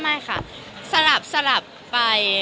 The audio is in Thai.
ไม่ค่ะสลับไป